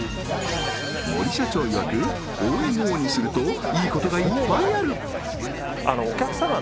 森社長いわくＯＭＯにするといいことがいっぱいある！